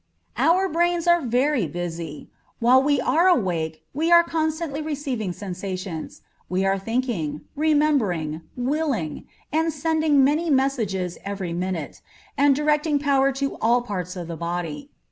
Our brains are very busy. While we are awake we are constantly receiving sensations, we are thinking, remembering, willing, and sending many messages every minute, and directing power to all parts of the body.